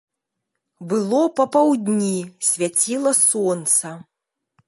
Было папаўдні, свяціла сонца.